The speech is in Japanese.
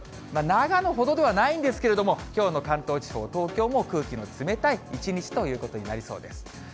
長野ほどではないんですけれども、きょうの関東地方、東京も空気の冷たい一日ということになりそうです。